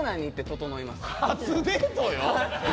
初デートよ！？